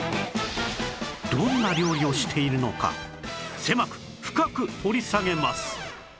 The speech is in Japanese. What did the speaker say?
どんな料理をしているのか狭く深く掘り下げます